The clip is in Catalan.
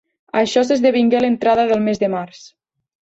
Això s'esdevingué a l'entrada del mes de març.